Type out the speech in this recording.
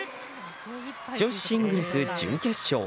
女子シングルス準決勝。